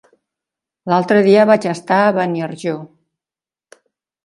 L'altre dia vaig estar a Beniarjó.